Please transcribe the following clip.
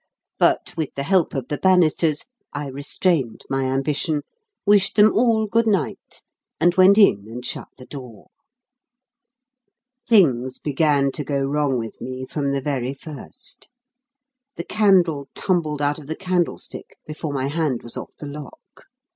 But, with the help of the banisters, I restrained my ambition, wished them all good night, and went in and shut the door. Things began to go wrong with me from the very first. The candle tumbled out of the candlestick before my hand was off the lock.